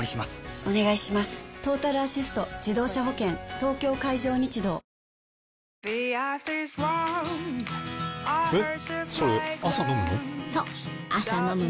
東京海上日動えっ？